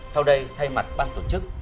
sau đây thay mặt ban tổ chức